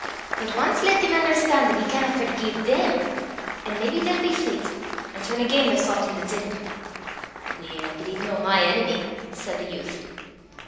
But ance lat them un'erstan' 'at he canna forgie them, an' maybe they'll be fleyt, an' turn again' the Sawtan 'at's i' them." "Weel, but he's no my enemy," said the youth.